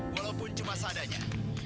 walaupun cuma seadanya